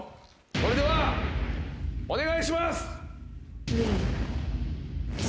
それではお願いします。